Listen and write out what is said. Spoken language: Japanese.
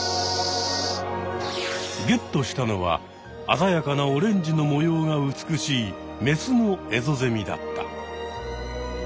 ゲットしたのはあざやかなオレンジの模様が美しいメスのエゾゼミだった。